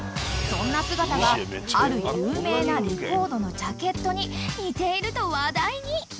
［そんな姿がある有名なレコードのジャケットに似ていると話題に］